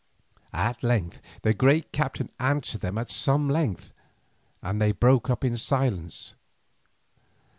At length the great captain answered them at some length, and they broke up in silence.